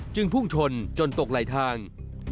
จึงว่าพุ่งชนจนตกไหลทาง